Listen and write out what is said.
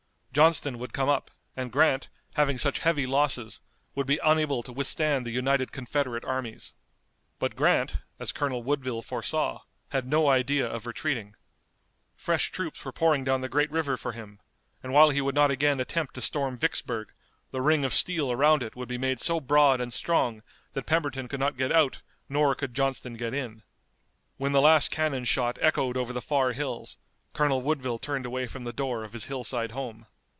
Johnston would come up, and Grant, having such heavy losses, would be unable to withstand the united Confederate armies. But Grant, as Colonel Woodville foresaw, had no idea of retreating. Fresh troops were pouring down the great river for him, and while he would not again attempt to storm Vicksburg, the ring of steel around it would be made so broad and strong that Pemberton could not get out nor could Johnston get in. When the last cannon shot echoed over the far hills Colonel Woodville turned away from the door of his hillside home.